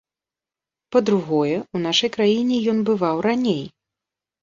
Па-другое, у нашай краіне ён бываў раней.